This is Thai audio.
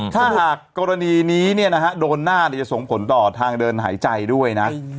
ซึ่งหากกรณีนี้โดนหน้าจะส่งผลต่อทางเดินหายใจด้วยนะ